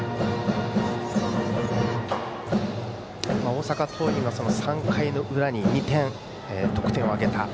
大阪桐蔭が３回の裏に２点、得点を挙げた。